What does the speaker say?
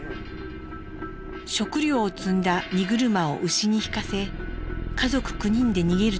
食料を積んだ荷車を牛に引かせ家族９人で逃げる